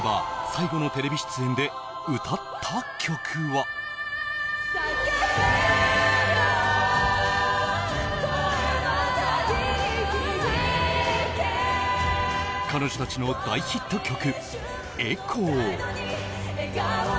最後のテレビ出演で歌った曲は彼女たちの大ヒット曲「ＥＣＨＯ」。